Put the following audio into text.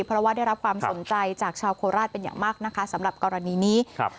เพราะว่าได้รับความสนใจจากชาวโคราชเป็นอย่างมากนะคะสำหรับกรณีนี้ครับ